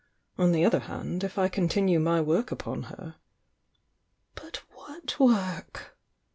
On the other hand, if I continue my work upon her " "But what work?"